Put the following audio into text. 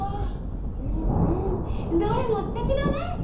うんうんどれもすてきだね。